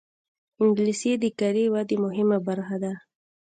انګلیسي د کاري ودې مهمه برخه ده